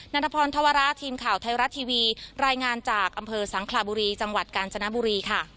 ันทพรธวระทีมข่าวไทยรัฐทีวีรายงานจากอำเภอสังคลาบุรีจังหวัดกาญจนบุรีค่ะ